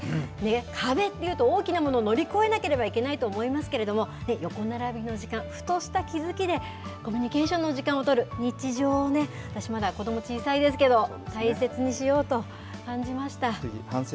壁っていうと、大きなものを乗り越えなければいけないと思いますけれども、横並びの時間、ふとした気付きでコミュニケーションの時間を取る、日常をね、私まだ、子ども小さいですけれども、大切にしようと感じました。